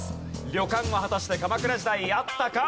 旅館は果たして鎌倉時代あったか？